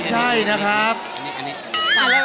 สังเกตุรนี้